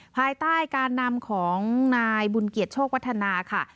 ภายใต้การนำของนายบุญเกียรติโชควัฒนาค่ะ